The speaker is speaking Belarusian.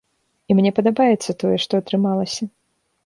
І мне падабаецца тое, што атрымалася.